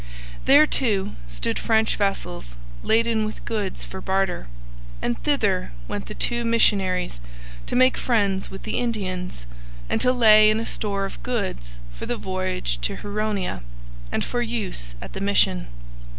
There, too, stood French vessels laden with goods for barter; and thither went the two missionaries to make friends with the Indians and to lay in a store of goods for the voyage to Huronia and for use at the mission.